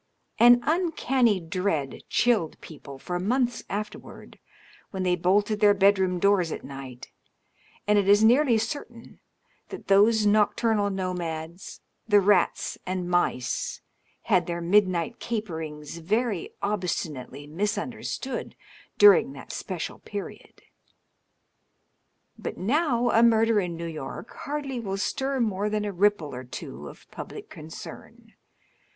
An uncanny dread chilled people for months afterward when they bolted their bedroom doors at night, and it is nearly certain that those nocturnal nomads, the rats and mice, had their midnight caperings very obstinately misunderstood during that special period. But now a murder in New York hardly will stir more than a rirole or two of public concern.